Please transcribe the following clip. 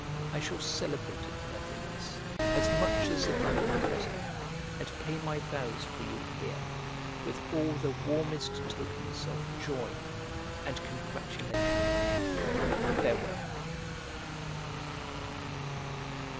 I shall celebrate it nevertheless, as much as if I were present, and pay my vows for you here, with all the warmest tokens of joy and congratulation. Farewell.